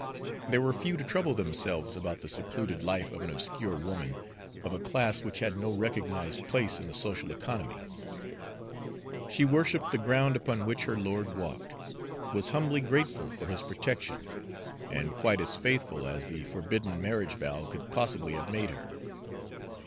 There were few to trouble themselves about the secluded life of an obscure woman of a class which had no recognized place in the social economy. She worshiped the ground upon which her lord walked, was humbly grateful for his protection, and quite as faithful as the forbidden marriage vow could possibly have made her.